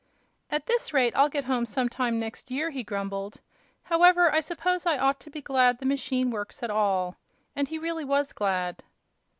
"At this rate I'll get home some time next year," he grumbled. "However, I suppose I ought to be glad the machine works at all." And he really was glad.